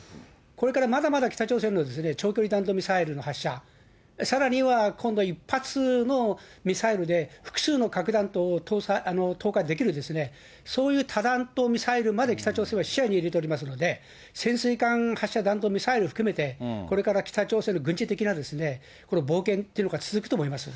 これからまだまだ北朝鮮の長距離弾道ミサイルの発射、さらには今度、一発のミサイルで、複数の核弾頭を投下できる、そういう多弾頭ミサイルまで北朝鮮は視野に入れておりますので、潜水艦発射弾道ミサイル含めて、これから北朝鮮の軍事的な冒険というのは続くと思います。